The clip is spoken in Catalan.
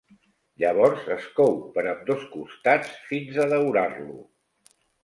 Llavors es cou per ambdós costats fins a daurar-lo.